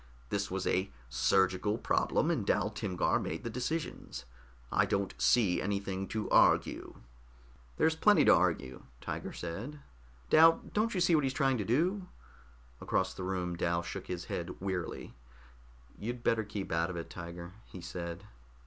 "This was a surgical problem, and Dal Timgar made the decisions. I don't see anything to argue." "There's plenty to argue," Tiger said. "Dal, don't you see what he's trying to do?" Across the room Dal shook his head wearily. "You'd better keep out of it, Tiger," he said.